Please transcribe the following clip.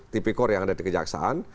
tipikor yang ada di kejaksaan